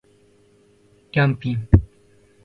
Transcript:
りゃんぴん